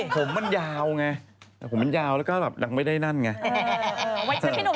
ผมมันยาวไงแล้วก็อังไม่ได้นั่นไง